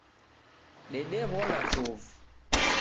Dedewona chovu.